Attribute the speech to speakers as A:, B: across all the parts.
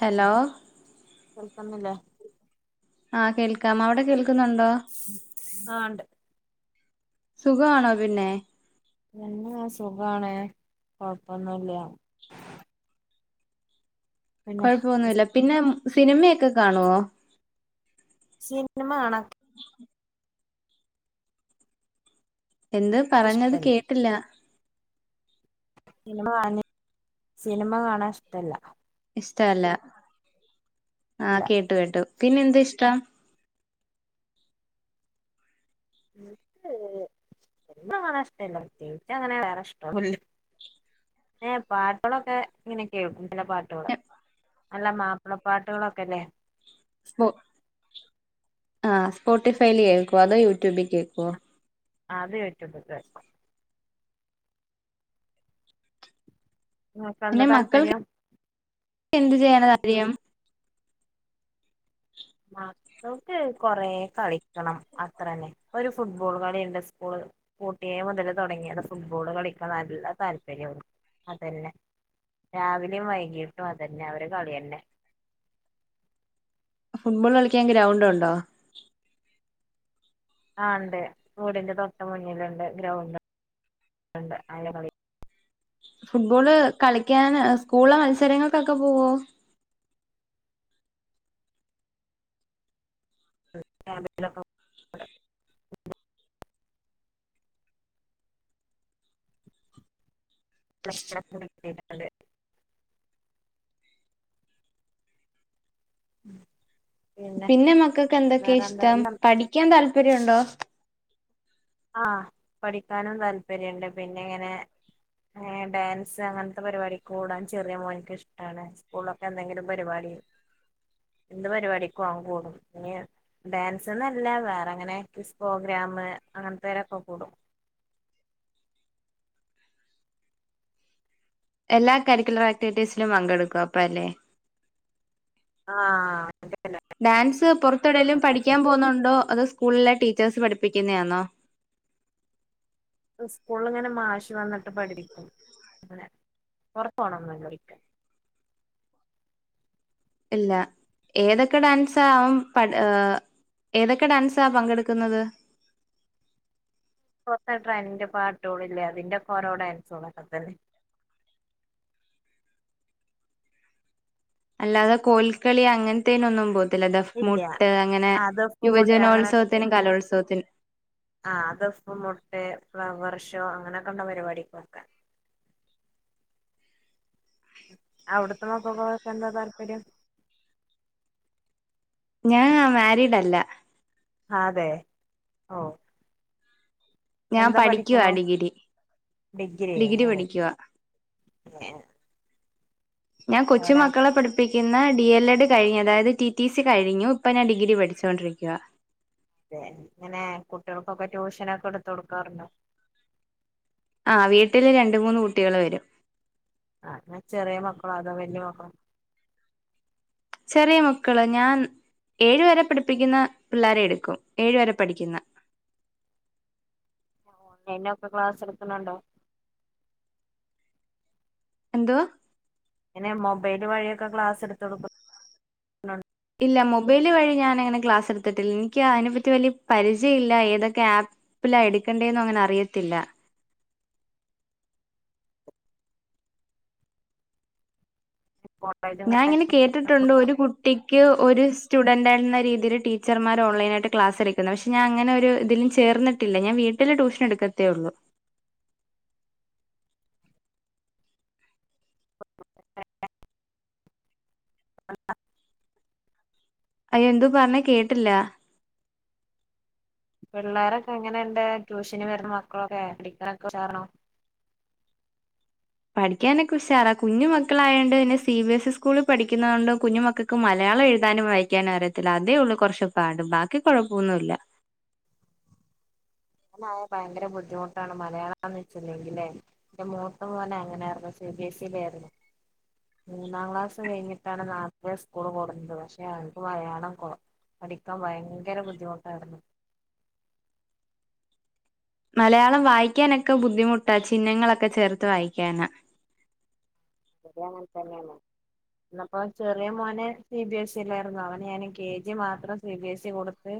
A: Hello
B: [unintelligible] തന്നില്ലേ
A: ആ കേൾക്കാം അവ്ടെ കേൾ ക്ക്ന്നുണ്ടോ
B: ആ ഉണ്ട്
A: സുഖാണോ പിന്നെ?
B: പിന്നെ സുഖാണ് കൊഴപ്പൊന്നുല്ല. പിന്നെ
A: കൊഴപ്പൊന്നുവില്ല പിന്നെ സിനിമയൊക്കെ കാണുവോ?
B: സിനിമ കാണ
A: എന്താ? പറഞ്ഞത്
B: ഇഷ്ടല്ല
A: കേട്ടില്ല.
B: സിനിമ കാണി സിനിമ കാണാൻ ഇഷ്ടല്ല.
A: ഇഷ്ടല്ല. ആഹ്
B: ഇല്ല
A: കേട്ടു കേട്ടു. പിന്നെ എന്താ ഇഷ്ടം?
B: എനിക്ക് എനിക്കങ്ങനെ ഇഷ്ടല്ല പ്രത്യേകിച്ചങ്ങനെ വേറെ ഇഷ്ടൊന്നുല്ല ഏ പാട്ടുകളൊക്കെ ഇങ്ങനെ കേൾക്കും ചെല പാട്ടുകള് നല്ല മാപ്പിളപ്പാട്ടുകളൊക്കെല്ലേ
A: സ്പോ ആ സ്പോട്ടിഫൈല് കേൾക്കോ അതോ യൂട്യൂബി കേക്കോ?
B: ആ അത് [unintelligible] നിങ്ങൾക്ക്
A: പിന്നെ
B: എന്താ
A: മക്കൾക്ക്
B: താല്പര്യം
A: എന്ത് ചെയ്യണതാ രിയം
B: മക്കൾക്ക് കൊറേ കളിക്കണം അത്രന്നെ ഒരു ഫുട്ബോൾ കളിയുണ്ട് സ്കൂള് പൂട്ടിയെ മുതല് തൊടങ്ങിയത് ഫുട്ബോള് കളിക്കാൻ നല്ല താല്പര്യ. അതന്നെ രാവിലേം വൈകീട്ടും അതന്നെ അവര് കളിയന്നെ
A: ഫുട്ബോൾ കളിക്കാൻ ഗ്രൗണ്ട് ഒണ്ടോ?
B: ആ ഒണ്ട് വൂടിന്റെ തൊട്ട് മുന്നിലുണ്ട് ഗ്രൗണ്ട് ണ്ട് അയിലാ കളി
A: ഫുട്ബോള് കളിക്കാന് സ്കൂളിലെ മത്സരങ്ങൾക്കൊക്കെ പോവോ?
B: [inaudible] [inaudible] [inaudible]
A: പിന്നെ മക്കക്ക് എന്തൊക്കെയ
B: വേറെന്താ
A: ഇഷ്ടം
B: ഈ
A: പഠിക്കാൻ താൽ പര്യണ്ടോ?
B: ആഹ് പഠിക്കാനും താൽപര്യോണ്ട് പിന്നെ ഇങ്ങനെ എ ഡാൻസ് അങ്ങനത്തെ പരിപാടിക്ക് കൂടാൻ ചെറിയ മോനിക്കിഷ്ടാണ് സ്കൂളിലൊക്കെ എന്തെങ്കിലും പരിപാടി എന്ത് പരിപാടിക്കും അവൻ കൂടും ഇ ഡാൻസ്ന്നല്ല വേറെ അങ്ങനെ ക്വിസ് പ്രോഗ്രാമ് അങ്ങനത്തേനൊക്കെ കൂടും.
A: എല്ലാ കരിക്കുലർ ആക്ടിവിറ്റീസിലും പങ്കെടുക്കും അപ്പോ അല്ലേ
B: ആഹ് അങ്ങനത്തെല്ല
A: ഡാൻസ് പൊറത്തെവിടേലും പഠിക്കാൻ പോകുന്നുണ്ടോ അതോ സ് കൂളിലെ ടീച്ചേഴ്സ് പഠിപ്പിക്കുന്നെ ആന്നോ?
B: സ്കൂളിലിങ്ങനെ മാഷ് വന്നിട്ട് പഠിപ്പിക്കും അങ്ങനെ പൊറത്തുപോണൊന്നുമില്ല [unintelligible]
A: ഇല്ല ഏതൊക്കെ ഡാൻസാ അവൻ പട് ഏ ഏതൊക്കെ ഡാൻസാ പങ്കെടുക്കുന്നത്?
B: പ്പത്തെ ട്രൈൻ്റ് പാട്ടോളില്ലേ അതിന്റെക്കോരോ ഡൻസോള് അതൊക്കെ തന്നെ.
A: അല്ലാതെ കോൽക്കളി അങ്ങനത്തേനൊന്നും പോ
B: ഇല്ല ആ ദഫ്മുട്ട് അങ്ങനൊക്കെ
A: യുവജനോത്സവത്തിനും
B: പോവും.
A: കലോത്സവത്തിനും
B: ആ ദഫ് മുട്ട് ഫ്ലവർ ഷോ അങ്ങനൊക്കെ ഉള്ള പരിപാടി നോക്കാൻ. അവിടത്തെ നോക്കുമ്പോഴാക്കെ എന്താ താല്പര്യം?
A: ഞാൻ മാരീഡല്ല.
B: ആ അതെ ഓ
A: ഞാൻ
B: എന്താ
A: പഠിക്കുവാ
B: പഠിക്കണു?
A: ഡിഗ്രി
B: ഡിഗ്രിയാ
A: ഡിഗ്രി
B: ഓ
A: പഠിക്കുവാ
B: [unintelligible]
A: ഞാൻ
B: എവിടെ
A: കൊച്ചുമക്കളെ പഠി പഠിക്കുന്ന ഡി എൽ എഡ് കഴിഞ്ഞു അതായത് ടി ടി സി കഴിഞ്ഞു ഇപ്പൊ ഞാൻ ഡിഗ്രി പഠിച്ചുകൊണ്ടിരിക്കുക
B: അതെ എങ്ങനെ കുട്ടികൾക്കൊക്കെ ട്യൂഷനൊക്കെ എടുത്ത കൊടുക്കാറുണ്ടോ
A: ആ വീട്ടില് രണ്ട് മൂന്ന് കുട്ടികള് വരും
B: ആഹ ഞാ ചെറിയ മക്കളോ അതോ വലിയ മക്കളോ
A: ചെറിയ മക്കള് ഞാൻ ഏഴ് വരെ പഠിപ്പിക്കുന്ന പിള്ളേരെ എടുക്കും ഏഴ് വരെ പഠിക്കുന്ന
B: ഓൺലൈന ഒക്കെ ക്ലാസ്സ് എടുക്കുന്നുണ്ടോ
A: എന്തുവാ
B: പിന്നെ മൊബൈല് വഴിയക്ക ക്ലാസ് എടുത്തൊടുക്കും ന്നോൻ-
A: ഇല്ല മൊബൈല് വഴി ഞൻങ്ങനെ ക്ലാസ് എടുത്തിട്ടില്ല എനിക്ക് അതിനെ പറ്റി വലിയ പരിചയ ഇല്ല ഏതൊക്കെ ആപ്പിലാ എടുക്കേണ്ടെന്നും അങ്ങനെ അറിയത്തില്ല
B: കോളേജും
A: ഞാൻ ഇങ്ങനെ കേട്ടിട്ടുണ്ട് ഒരു കുട്ടിക്ക് ഒരു സ്റ്റുഡന്റ് എന്ന രീ- ഇതിരു ടീച്ചറമ്മാര് ഓൺലൈനായിട്ട് ക്ലാസ് എടുക്കുന്ന പക്ഷെ ഞാൻ അങ്ങനെ ഒരു ഇതിലും ചേർന്നട്ടില്ല ഞാൻ വീട്ടില് ട്യൂഷൻ എടുക്കത്തേള്ളു
B: [unintelligible]
A: അയ എന്തു പറഞ്ഞാ കേട്ടില്ല
B: പിള്ളോരൊക്കെ എങ്ങനെ ഇണ്ട് ട്യൂഷന് വരുന്ന മക്കളൊക്കെ പഠിക്കാനൊക്കെ [unintelligible]
A: പഠിക്കാനക്ക ഉഷാറാ കുഞ്ഞ് മക്കളായണ്ട് പിന്നെ സി ബി എസ് ഇ സ്കൂളിൽ പഠിക്കുന്ന ഒണ്ട് കുഞ്ഞുമ്മക്കൾക്ക് മലയാളം എഴുതാനും വായിക്കാനും അറിയത്തില്ല അതേ ഉള്ളൂ കൊറച്ച്പ്പാട് ബാക്കി കൊഴപ്പൊന്നു ഇല്ല
B: അങ്ങനെയാൽ ഭയങ്കര ബുദ്ധിമുട്ടാണ് മലയാളം നിശ്ചയം ഇല്ലെങ്കിലെ എന്റെ മൂത്തമോൻ അങ്ങനെയായിരുന്നു സിബിഎസ്ഇ ആയിരുന്നു, മൂന്നാം ക്ലാസ് കഴിഞ്ഞിട്ടാണ് നാട്ടിലെ സ്കൂളില് കൊണ്ടുവന്നു, പക്ഷെ ആൾക്ക് മലയാളം കോ പഠിക്കാൻ ഭയങ്കര ബുദ്ധിമുട്ടായിരുന്നു.
A: മലയാളം വായിക്കാനൊക്കെ ബുദ്ധിമുട്ടാ ചിഹ്നങ്ങളൊക്കെ ചേർത്ത് വായിക്കാന്
B: ഇവിടെ അങ്ങനെ തന്നെയാണ് ഇന്ന് ഇപ്പൊ ചെറിയ മോനെ സി ബി എസ് സി ആയിരുന്നു അവന് ഞാന് കെ ജി മാത്രം സി ബി എസ് സി കൊടുത്ത്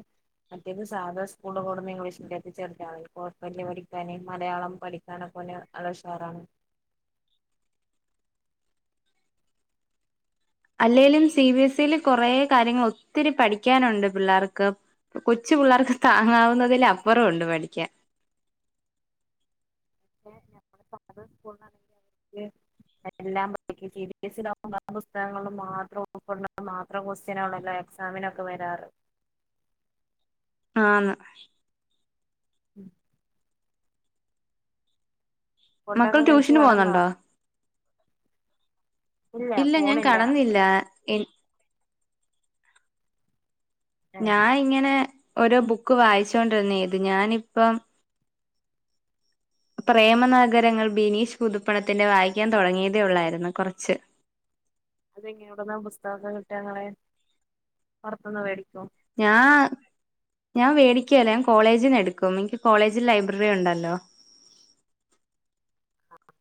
B: മറ്റേത് സാധാ സ്കൂളിൽ കൊടുന്ന് ഇംഗ്ലീഷ് മീഡിയത്തിൽ ചേർത്തു, അവനെ കൊഴപ്പല്ല പഠിക്കാന് മലയാളം പഠിക്കാനൊക്കെ ഓന് നല്ല ഉഷാറാണ്.
A: അല്ലെലും സി ബി എസ് ഇല് കെറെ കാര്യങ്ങൾ ഒത്തിരി പഠിക്കാനുണ്ട് പിള്ളേർക്ക് കൊച്ചു പിള്ളേർക്ക് താങ്ങാവുന്നതില് അപ്പുറം ഒണ്ട് പഠിക്കാൻ
B: [unintelligible] എല്ലാം പഠിപ്പിക്കും സി ബി സിലാകുമ്പോ പുസ്തകങ്ങളും മാത്രം ഒറപ്പുള്ള മാത്രം ക്വസ്റ്റ്യനോള്ളല്ലോ എക്സാമിനൊക്കെ വരാറ്
A: ആന്ന്
B: ഉം
A: മക്കൾ
B: ഫുഡൊക്കെ കഴിച്ച്
A: ട്യൂഷന്
B: കെടന്നോ
A: പോന്നുണ്ടോ ഇല്ല ഞാൻ കെടന്നില്ല എൻ
B: ഏഹ്
A: ഞാ ഇങ്ങനെ ഓരോ ബുക്ക് വായിച്ചോണ്ടിരുന്നേത് ഞാനിപ്പം പ്രേമനഗരങ്ങൾ ബിനീഷ് പുതുപ്പണത്തിന്റെ വായിക്കാൻ തുടങ്ങിയതേള്ളായിരുന്നു കുറച്ച്
B: അത്ങ്ങേ എവിട്ന്ന പുസ്തകങ്ങള് കിട്ട ഇങ്ങളെ പൊറത്ത്ന്ന് വേടിക്കോ
A: ഞാൻ ഞാൻ വേടിക്കല്ലേ ഞാൻ കോളേജിൽന്ന് എടുക്കും എനിക്ക് കോളേജിൽ ലൈബ്രറി ഉണ്ടല്ലോ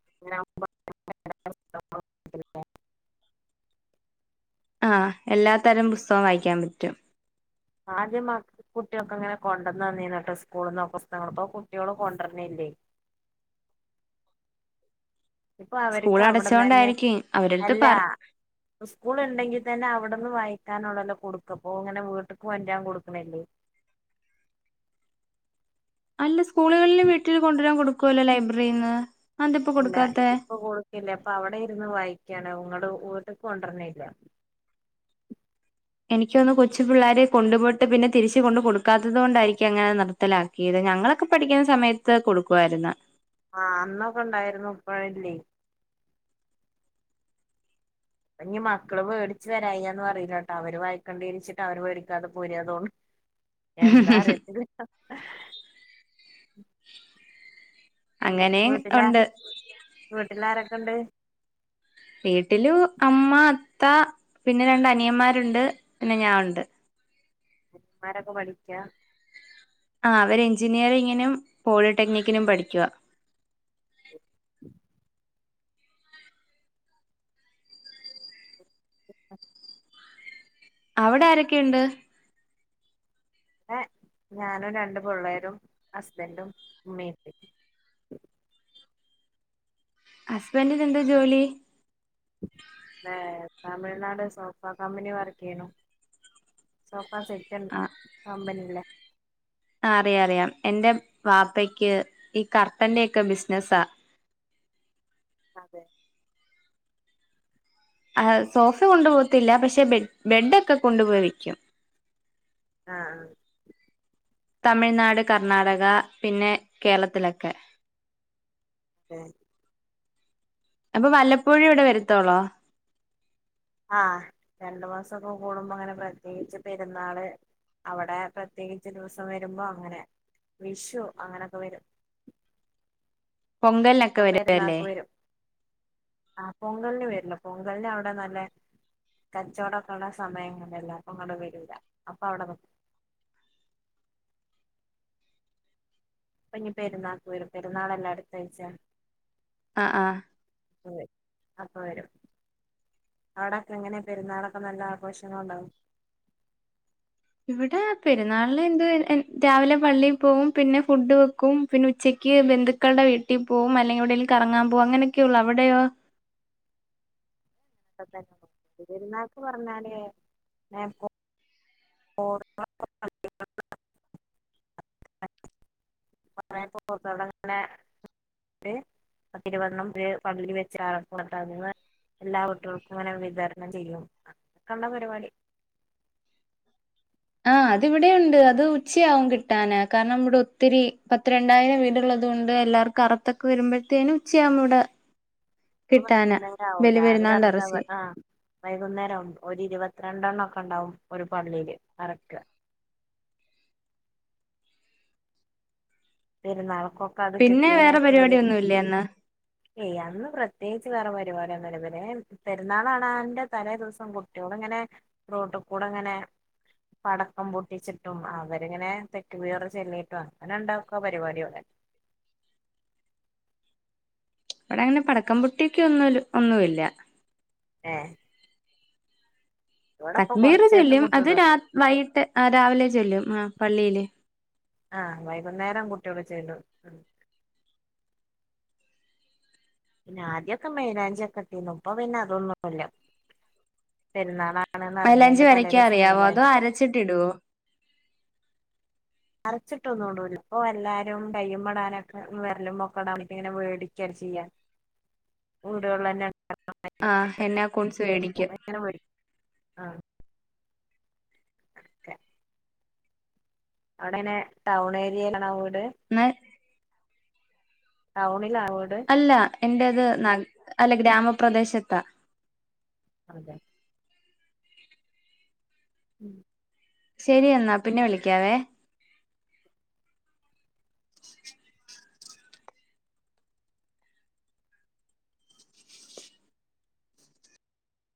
B: [unintelligible]
A: ആഹ എല്ലാ തരം പുസ്തകം വായിക്കാൻ പറ്റും
B: ആദ്യം മക്ക കുട്ടിക്കെ ഇങ്ങനെ കൊണ്ടന്നെന്നിനി ട്ടോ സ്കൂളന്ന് പുസ്തങ്ങള ഇപ്പോ കുട്ട്യാളും കൊണ്ടര്ണില്ലേ ഇപ്പൊ
A: സ്കൂൾ
B: അവർക്ക് അവിടന്ന് തന്നെ
A: അടച്ചോണ്ടായിരിക്കും അവരടുത്ത്
B: അല്ല
A: പറ
B: സ്കൂൾ ഉണ്ടെങ്കിൽ തന്നെ അവിടന്ന് വായിക്കാനുള്ളല്ലോ കൊടുക്ക അപ്പൊ ഇങ്ങനെ വീട്ടക്ക് വറ്റൻ കൊടുക്കണല്ലേ
A: അല്ല സ്കൂളുകളിലും വീട്ടിൽ കൊണ്ടുവരാൻ കൊടുക്കുവല്ലോ ലൈബ്രറിന്ന് അതെന്തിപ്പോ
B: അല്ല
A: കൊടുക്കാത്തെ
B: ഇപ്പൊ കൊടുക്കല്ലേ അപ്പൊ അവിടെ ഇരുന്ന് വായിക്കയാണ് ഇങ്ങട് വീട്ട്ക്ക് കൊണ്ടര്ണില്ല
A: എനിക്കൊന്ന് കൊച്ചു പിള്ളേര് കൊണ്ടുപോട്ട് പിന്നെ തിരിച്ച് കൊണ്ട് കൊടുക്കാത്തത് കൊണ്ടായിരിക്കും അങ്ങനെ നിർത്തലാക്കിയത് ഞങ്ങളൊക്കെ പഠിക്കുന്ന സമയത്ത് കൊടുക്കു ആയിരുന്നു
B: ആഹ അന്നൊക്കെ ഇണ്ടായിരുന്നു ഇപ്പഴല്ലേ ഇനി മക്കള് പേടിച്ച് വരയാന്ന് പറയില്ലട്ടോ അവര് വായിക്കേണ്ടിരിച്ചിട്ട് അവര് പേടിക്കാതെ പോരാ തോന്നി. എന്താ അറിയത്തി [unintelligible] പിന്നെ
A: അങ്ങനെയും
B: വീട്ടിലാ
A: ഉണ്ട്
B: വീട്ടിലാരാ [unintelligible] ണ്ട്
A: വീട്ടിലു അമ്മ അത്ത പിന്നെ രണ്ടനിയന്മാരുണ്ട് പിന്നെ ഞാനുണ്ട്.
B: അവന്മാരൊക്കെ പഠിക്കാ?
A: ആ അവര് എഞ്ചിനിയറിങ്ങിനും പോളിടെക്നിക്കിനും പഠിക്കുവ.
B: [inaudible] [unintelligible]
A: അവിടെ ആരൊക്കെയുണ്ട്?
B: ഏ ഞാനും രണ്ടു പിള്ളേരും ഹസ്ബൻ്റും ഉമ്മയുണ്ട്
A: ഹസ്ബൻഡിന് എന്താ ജോലി?
B: ന്നെ തമിഴ്നാട് സോഫ കമ്പനീ വർക്ക് ചെയ്യണു സോ ആ സെക്കാൻ കമ്പനിയില്ലേ
A: ആ അറിയ അറിയാം. എൻ്റെ വാപ്പയ്ക്ക് ഈ കർട്ടന്റെ ഒക്കെ ബിസിനസാ.
B: അതെ.
A: ആ സോഫ കൊണ്ടുപോകത്തില്ല പക്ഷെ ബെ ബെഡൊക്കെ കൊണ്ടുപോയി വെക്കും.
B: ആഹ്
A: തമിഴ്നാട് കർണാടക പിന്നേ കേരളത്തിലൊക്കെ.
B: [unintelligible]
A: അപ്പൊ വല്ലപ്പോഴുവേ ഇവിടെ വരത്തൊള്ളൊ?
B: ആഹ് രണ്ടു മാസോക്കെ കൂടുമ്പോ അങ്ങനെ പ്രത്യേകിച്ച് പെരുന്നാള് അവിടെ പ്രത്യേകിച്ച് ദിവസം വരുമ്പോ അങ്ങനെ വിഷു അങ്ങനൊക്കെ വരും.
A: പൊങ്കലിനൊക്കെ
B: ഇപ്പൊ
A: വരുവല്ലേ.
B: പെരുന്നാക്ക് വരും ആഹ് പൊങ്കലിന് വരില്ല പൊങ്കലിന് അവിടെ നല്ല കച്ചവടോക്കെ ഒള്ള സമയങ്ങളല്ല പൊങ്കല് വരൂല്ല അപ്പൊ അവിടെ നിക്കും. ഇപ്പനി പെരുന്നാക്കു വരും പെരുന്നാളല്ലെ അടുത്താഴ്ച്ചാ.
A: ആ അ
B: അപ്പവരും അപ്പ വരും അവിടോക്കെ എങ്ങനെ പെരുന്നാളൊക്കെ നല്ല ആഘോഷങ്ങളൊണ്ടാവോ?
A: ഇവിടെ പെരുന്നാളിനെന്ത് എൻ രാവിലെ പള്ളീ പോവും പിന്നെ ഫുഡ് വെക്കും പിന്നെ ഉച്ചക്ക് ബന്ധുക്കളുടെ വീട്ടി പോവും. അല്ലെങ്കി എവിടേലും കറങ്ങാൻ പോവും അങ്ങനൊക്കെയുള്ളു. അവിടെയോ?
B: [unintelligible] പെരുന്നാക്ക് പറഞ്ഞാൽ [inaudible] [inaudible] പത്തിരുപതെണ്ണം ദേ പള്ളീ വെച്ച് അറക്കും. എന്നിട്ടന്ന് എല്ലാ വീട്ടുകൾക്കും ഇങ്ങനെ വിതരണം ചെയ്യും [unintelligible] പരിപാടി.
A: ആഹ് അത് ഇവിടെയുണ്ട് അത് ഉച്ചയാവും കിട്ടാന് കാരണം ഇവിടെ ഒത്തിരി പത്ത് രണ്ടായിരം വീടുള്ളതുകൊണ്ട് എല്ലാർക്കും അറത്തൊക്കെ വരുമ്പോഴത്തേനും ഉച്ചയാകും ഇവിടെ.
B: പ്പൊ
A: കിട്ടാന്
B: വൈകുന്നേരാവും
A: ബലി
B: രാവിലെ
A: പെരുന്നാളിന്റെ
B: അറത്ത
A: ഇറച്ചി
B: വൈ ആഹ് വൈകുന്നേരാവും ഒരിരുപത്തിരണ്ടെണ്ണം ഒണ്ടാവും ഒരു പള്ളിയില് അറക്ക പെരുന്നാളും.
A: പിന്നെ വേറെ പരിപാടിയൊന്നുവില്ലേ അന്ന്?
B: ഏയ് അന്ന് പ്രത്യേകിച്ച് വേറെ പരിപാടിയോന്നുവില്ല. പിന്നെ പെരുന്നാളാണ്ന്റെ തലേ ദിവസം കുട്യോളിങ്ങനെ റോട്ട്കൂടെ ഇങ്ങനെ പടക്കം പൊട്ടിച്ചിട്ടും അവരിങ്ങനെ തെക്ക്ബീർ ചൊല്ലിട്ടും അങ്ങനുണ്ടാവും. ക്ക പരിപാടിയവിടെ.
A: ഇവിടെ അങ്ങനെ പടക്കം പൊട്ടിക്ക് ഒന്നുവില്ല് ഒന്നുവില്ല.
B: ആഹ്
A: തക്ബീർ
B: കൊറച്ചായിട്ട്
A: ചൊല്ലും അത്
B: കുട്ടികള്
A: രാ വൈകിട്ട് രാവിലെ ചൊല്ലും ആ പള്ളിയില്.
B: ആഹ് വൈകുന്നേരം കുട്ടിയോള് ചൊല്ലും. പിന്നെ ആദ്യൊക്കെ മൈലാഞ്ചിയക്കെ ഇട്ടിരുന്നു ഇപ്പൊ പിന്നെ അതൊന്നുമില്ല പെരുന്നാളാ
A: മൈലാഞ്ചി വരക്ക അറിയാവോ? അതോ അരച്ചിട്ടിടുവോ?
B: അരച്ചിട്ടൊന്നും ഇടൂല ഇപ്പൊ എല്ലാരും കയ്യുമ്മേടാനൊക്കെ വെരലുമ്മെ ഒക്കെ ഇടനിപ്പങ്ങനെ മേടിക്ക ചെയ്യാ. ഇവിടെയുള്ള തന്നെ
A: ആഹ് എന്നാ കൊൽസ് വേടിക്ക
B: ഇങ്ങനെ വേടിക്കും കെട്ക്ക അവിടെങ്ങനെ ടൗൺ ഏരിയയിലാണവോ
A: ന്
B: ടൗണി [unintelligible]
A: അല്ല എന്റെത് ന [unintelligible] അല്ല ഗ്രാമപ്രദേശത്താ
B: അതെ ഉം
A: ശരി എന്നാ പിന്നെ വിളി ക്ക്യാവേ